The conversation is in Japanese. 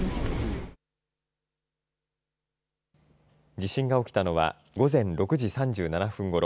地震が起きたのは、午前６時３７分ごろ。